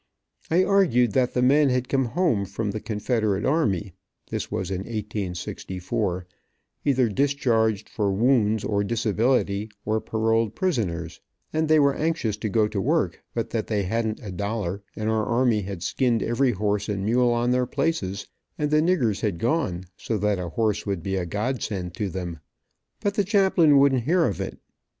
I argued that the men had come home from the confederate army this was in 1864 either discharged for wounds or disability, or paroled prisoners, and they were anxious to go to work, but that they hadn't a dollar, and our army had skinned every horse and mule on their places, and the niggers had gone, so that a horse would be a God send to them. But the chaplain wouldn't hear to it.